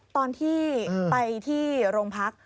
ตอนที่ไปที่โรงพัก